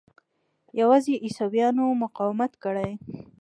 یوازې عیسویانو مقاومت کړی.